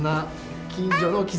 近所の絆